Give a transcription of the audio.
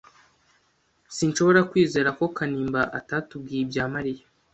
Sinshobora kwizera ko Kanimba atatubwiye ibya Mariya.